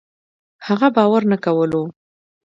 هغه باور نه کولو